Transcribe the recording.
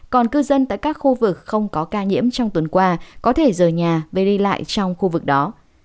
còn cư dân tại các khu vực không có ca nhiễm trong tuần qua có thể rời nhà và đi lại trong khu vực đó